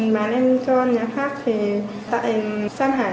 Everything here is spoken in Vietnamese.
bán em cho nhà khác thì tại sân hải